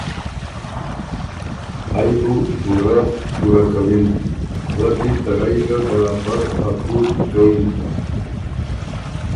ائ وه بُو پُورۀ پُوره کَوِن، وۀ دی ته رئ ګۀ برابر حقوق ګۀ یِن۔